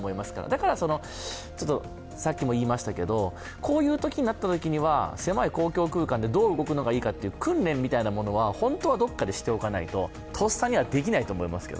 だからこういうことになったときには狭い公共空間でどう動くのがいいのかという訓練みたいなものは本当はどこかでしておかないととっさにはできないと思います。